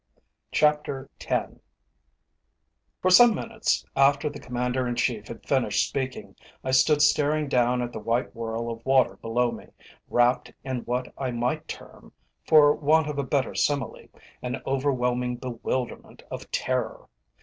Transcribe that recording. CHAPTER X For some minutes after the Commander in Chief had finished speaking, I stood staring down at the white whirl of water below me, wrapt in what I might term, for want of a better simile, an overwhelming bewilderment of terror.